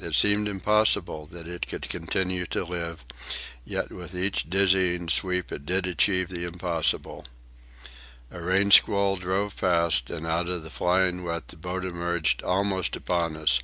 It seemed impossible that it could continue to live, yet with each dizzying sweep it did achieve the impossible. A rain squall drove past, and out of the flying wet the boat emerged, almost upon us.